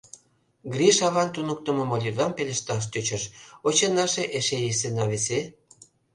Гриш аван туныктымо молитвам пелешташ тӧчыш: «Оче наше эше есе на невесе...»